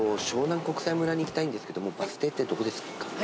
湘南国際村に行きたいんですけどもバス停ってどこですか？